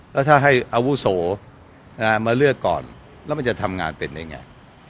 แล้วถ้าให้อาวุโสมาเลือกก่อนแล้วมันจะทำงานเป็นได้ไง